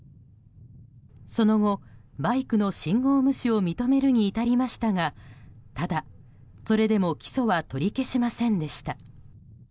その後、バイクの信号無視を認めるに至りましたがただ、それでも起訴は取り消しませんでした。